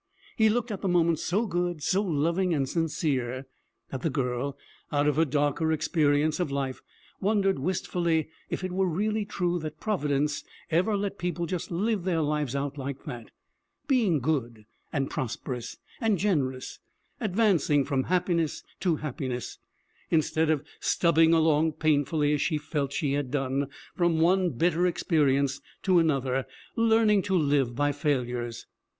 He looked at the moment so good, so loving and sincere, that the girl, out of her darker experience of life, wondered wistfully if it were really true that Providence ever let people just live their lives out like that being good, and prosperous, and generous, advancing from happiness to happiness, instead of stubbing along painfully as she felt she had done, from one bitter experience to another, learning to live by failures.